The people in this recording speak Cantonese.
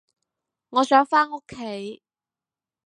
我想返屋企